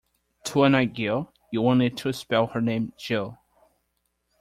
To annoy Gill, you only need to spell her name Jill.